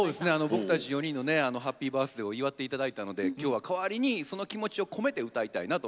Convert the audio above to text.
僕たち４人のねハッピーバースデーを祝って頂いたので今日は代わりにその気持ちを込めて歌いたいなと思ってます。